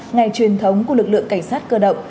ngày truyền thống của lực lượng cảnh sát cơ động